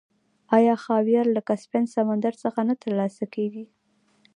آیا خاویار له کسپین سمندر څخه نه ترلاسه کیږي؟